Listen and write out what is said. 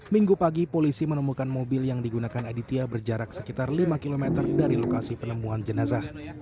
minggu pagi polisi menemukan mobil yang digunakan aditya berjarak sekitar lima km dari lokasi penemuan jenazah